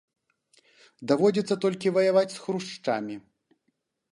Даводзіцца толькі ваяваць з хрушчамі.